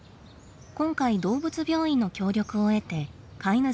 今回動物病院の協力を得て飼い主を捜しました。